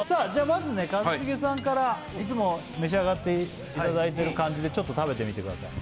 まずね一茂さんからいつも召し上がっていただいてる感じでちょっと食べてみてください